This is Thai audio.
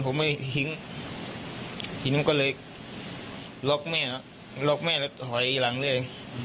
ผมไม่หิ้งทีนั้นก็เลยล๊อคแม่ล๊อคแม่แล้วถอยหลังด้วย